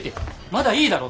まだいいだろ？